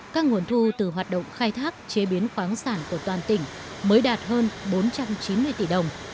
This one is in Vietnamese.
các nguồn thu từ hoạt động khai thác chế biến khoáng sản của toàn tỉnh mới đạt hơn bốn trăm chín mươi tỷ đồng